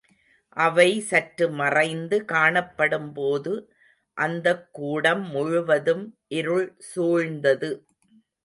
அவை சற்று மறைந்து காணப்படும் போது அந்தக்கூடம் முழுவதும் இருள் சூழ்ந்தது.